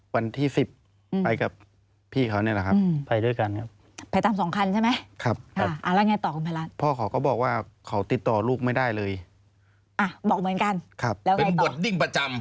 วันที่๑๗นี่ก็ไปแต่งงาน